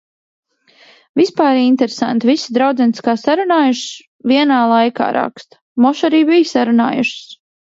Vispār interesanti, visas draudzenes kā sarunājušas vienā laikā raksta. Moš arī bija sarunājušas.